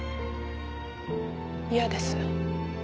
嫌です。